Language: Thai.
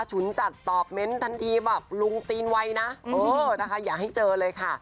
ฉุนจัดตอบเน้นทันทีแบบลุงตีนไวนะเออนะคะอย่าให้เจอเลยค่ะ